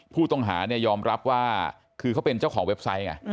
ผู้ต้องหายอมรับว่าเขาเป็นเจ้าของเว็บไซต์